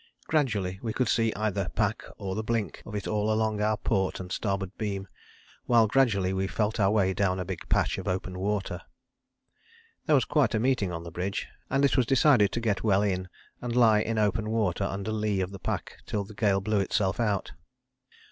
Gradually we could see either pack or the blink of it all along our port and starboard beam, while gradually we felt our way down a big patch of open water. There was quite a meeting on the bridge, and it was decided to get well in, and lie in open water under lee of the pack till the gale blew itself out.